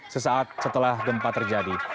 sesaat setelah gempa terjadi